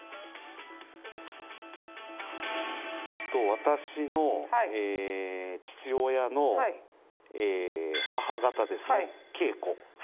私の父親の母方ですね桂子。